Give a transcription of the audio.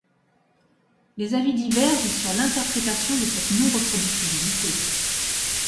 Les avis divergent sur l'interprétation de cette non-reproductibilité.